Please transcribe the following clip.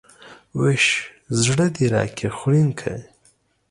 وش ﺯړه د راکي خوړين که